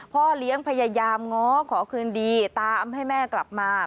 พ่อเลี้ยงพยายามง้อขอคืนดีตามให้แม่กลับมา